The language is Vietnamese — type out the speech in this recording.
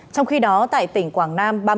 trong khi đó tại tỉnh quảng nam